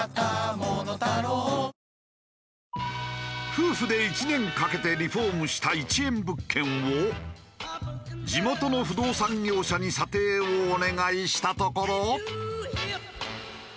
夫婦で１年かけてリフォームした１円物件を地元の不動産業者に査定をお願いしたところ。